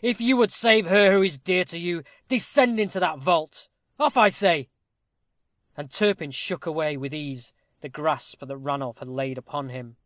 "If you would save her who is dear to you, descend into that vault. Off, I say." And Turpin shook away, with ease, the grasp that Ranulph had laid upon him.